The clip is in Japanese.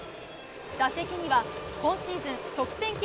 打席には今シーズン得点圏